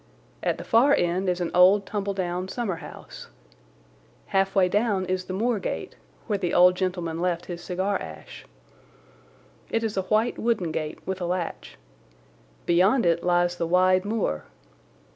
At the far end is an old tumble down summer house. Halfway down is the moor gate, where the old gentleman left his cigar ash. It is a white wooden gate with a latch. Beyond it lies the wide moor.